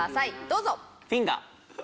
どうぞ。